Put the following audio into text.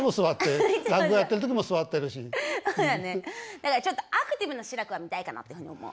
だからちょっとアクティブな志らくが見たいかなっていうふうに思う。